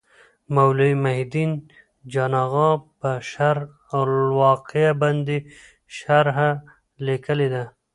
مولوي محي الدین جان اغا په شرح الوقایه باندي شرحه لیکلي ده.